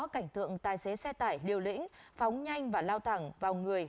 cảnh tượng tài xế xe tải liều lĩnh phóng nhanh và lao thẳng vào người